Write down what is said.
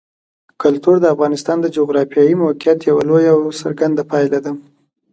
کلتور د افغانستان د جغرافیایي موقیعت یوه لویه او څرګنده پایله ده.